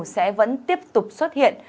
sẽ vẫn tiếp tục xuất hiện